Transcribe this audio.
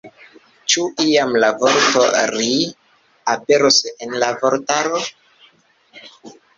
Ĉu iam la vorto ”ri” aperos en la vortaro?